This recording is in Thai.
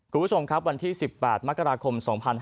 คุณผู้ชมครับวันที่๑๘มกราคม๒๕๕๙